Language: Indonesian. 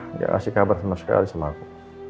nggak kasih kabar sama sekali sama aku